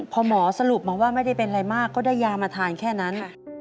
พอหมอสรุปมาว่าไม่ได้เป็นอะไรมากก็ได้ยามาทานแค่นั้น